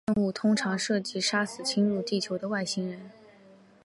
他的任务通常涉及杀死侵入地球的外星人。